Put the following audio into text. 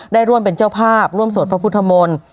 ได้ร่วมเป็นเจ้าภาพร่วมสวดพระพุทธมนต์